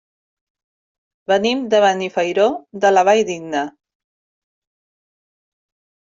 Venim de Benifairó de la Valldigna.